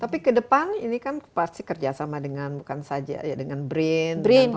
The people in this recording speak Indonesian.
tapi ke depan ini kan pasti kerjasama dengan bukan saja ya dengan brin